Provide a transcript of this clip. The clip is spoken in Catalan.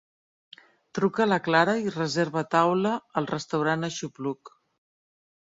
Truca a la Clara i reserva taula al restaurant Aixopluc.